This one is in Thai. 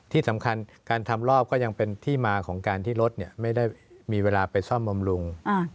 ที่สำคัญการทำรอบก็ยังเป็นที่มาของการที่รถไม่ได้มีเวลาไปซ่อมบำรุง